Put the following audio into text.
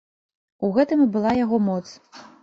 У гэтым і была яго моц.